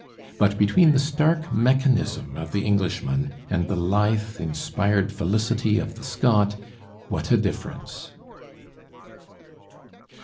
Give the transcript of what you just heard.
But between the stark mechanism of the Englishman and the lithe, inspired felicity of the Scot, what a difference!